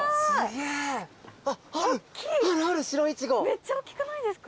めっちゃおっきくないですか？